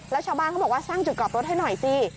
แล้วชาวบ้านเขาบอกว่าสร้างจุดกลับรถให้หน่อยสิ